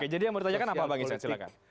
jadi yang mau ditanyakan apa bang ishak